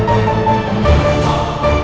kalo ini orangnya baru tuh'min